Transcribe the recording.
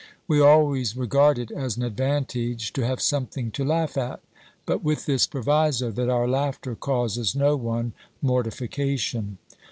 We always regard it as an advantage to have something to laugh at, but with this proviso, that our laughter causes no one mortification.